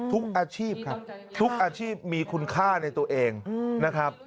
ทุกอาชีพครับทุกอาชีพมีคุณค่าในตัวเองนะครับ